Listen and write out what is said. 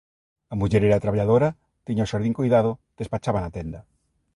A muller era traballadora, tiña o xardín coidado, despachaba na tenda.